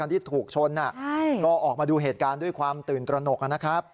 ที่ถูกชนก็ออกมาดูเหตุการณ์ด้วยความตื่นตระหนกนะครับ